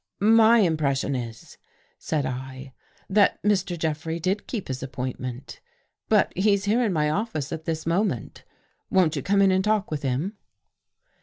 " My impression is," said I, " that Mr. Jeffrey did keep the appointment. But he's here in my office at this moment. Won't you come in and talk with him?